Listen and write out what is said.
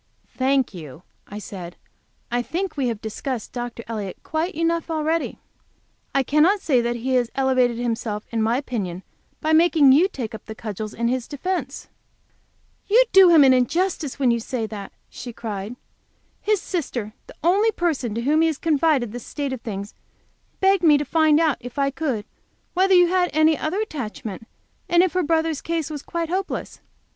"Thank you," I said, "I think we have discussed Dr. Elliott quite enough already. I cannot say that he has elevated himself in my opinion by making you take up the cudgels in his defence." "You do him injustice, when you say that," she cried. "His sister, the only person to whom he confided the state of things, begged me to find out, if I could, whether you had any other attachment, and if her brother's case was quite hopeless.